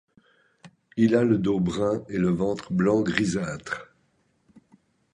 Il a le dos brun et le ventre blanc grisâtre.